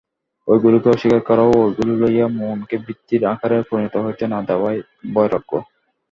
ঐগুলিকে অস্বীকার করা ও ঐগুলি লইয়া মনকে বৃত্তির আকারে পরিণত হইতে না দেওয়াই বৈরাগ্য।